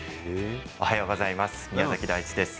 おはようございます。